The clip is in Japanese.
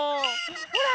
ほら。